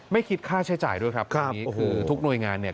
ไม่คิดค่าใช้จ่ายด้วยครับโอ้โหทุกหน่วยงานเนี่ย